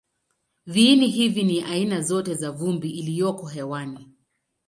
Viini hivi ni aina zote za vumbi iliyoko hewani.